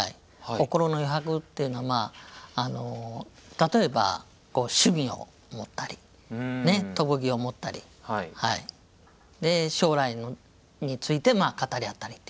心の余白っていうのは例えば趣味を持ったり特技を持ったりで将来について語り合ったりというような。